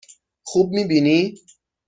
خوب می بینی؟